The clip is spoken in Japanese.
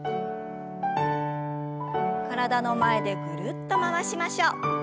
体の前でぐるっと回しましょう。